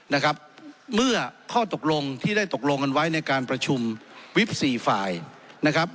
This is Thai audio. นะครับเมื่อข้อตกลงที่ได้ตกลงกันไว้ในการประชุมวิบสี่ฝ่ายนะครับ